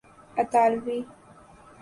اطالوی